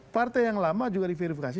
partai yang lama juga diverifikasi